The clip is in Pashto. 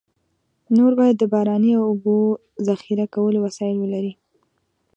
نور باید د باراني اوبو ذخیره کولو وسایل ولري.